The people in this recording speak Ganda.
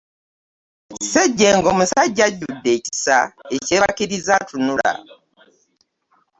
Ssejjengo musajja ajjudde ekisa ekyebakiriza atunula.